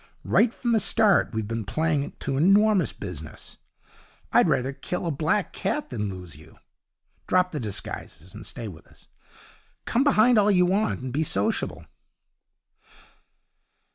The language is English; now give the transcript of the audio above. Right from the start we've been playing to enormous business. I'd rather kill a black cat than lose you. Drop the disguises, and stay with us. Come behind all you want, and be sociable.'